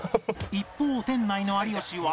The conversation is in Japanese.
一方店内の有吉は